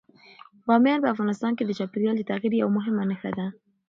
بامیان په افغانستان کې د چاپېریال د تغیر یوه مهمه نښه ده.